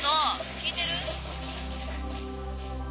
聞いてる？